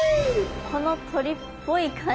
この鳥っぽい感じは。